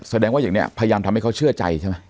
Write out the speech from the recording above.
แสดงว่าอย่างนี้พยายามทำให้เขาเชื่อใจใช่ไหม